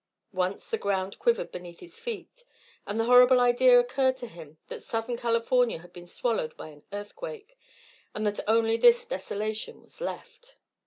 Once the ground quivered beneath his feet, and the horrible idea occurred to him that Southern California had been swallowed by an earthquake, and that only this desolation was left.